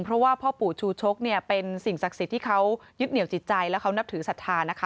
เพราะว่าพ่อปู่ชูชกเนี่ยเป็นสิ่งศักดิ์สิทธิ์ที่เขายึดเหนียวจิตใจและเขานับถือศรัทธานะคะ